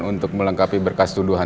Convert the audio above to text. untuk melengkapi berkas tuduhan